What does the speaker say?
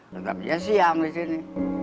tetap ya siang di sini